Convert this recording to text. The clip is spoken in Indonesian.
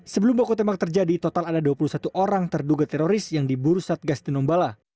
sebelum baku tembak terjadi total ada dua puluh satu orang terduga teroris yang diburu satgas tinombala